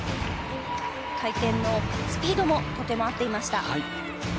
回転のスピードもとても合っていました。